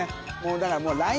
だからもう。